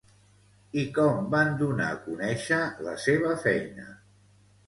I com van donar a conèixer la seva feina?